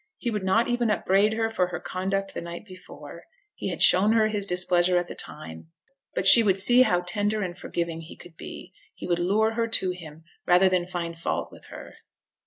He would not even upbraid her for her conduct the night before; he had shown her his displeasure at the time; but she should see how tender and forgiving he could be. He would lure her to him rather than find fault with her.